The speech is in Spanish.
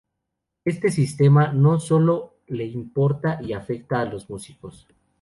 Este sistema no solo le importa y afecta a los músicos